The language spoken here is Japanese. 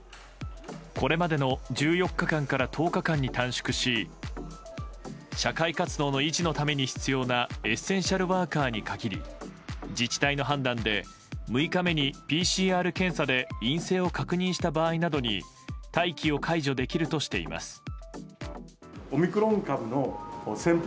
これまでの１４日間から１０日間に短縮し社会活動の維持のために必要なエッセンシャルワーカーに限り自治体の判断で６日目にＰＣＲ検査で陰性を確認した場合などに待機を解除できるとしています。